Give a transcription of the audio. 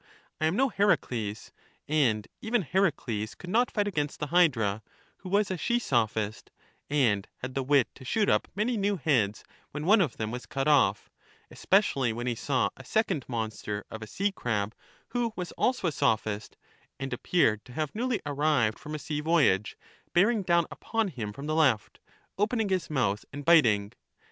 I am no Heracles; and even Heracles could not fight against the Hydra, who was a she sophist, and had the wit to shoot up many new heads when one of them was cut off; especially when he saw a second monster of a sea crab, who was also a Sophist, and appeared to have newly arrived from a sea voyage, bearing down upon him from the left, opening his mouth and biting.